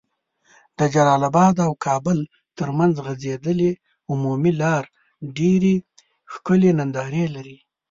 د جلال اباد او کابل تر منځ غځيدلي عمومي لار ډيري ښکلي ننداري لرې